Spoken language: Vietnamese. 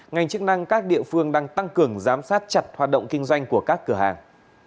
ngành chức năng các địa phương đang tăng cường giám sát chặt hoạt động kinh doanh của các cửa hàng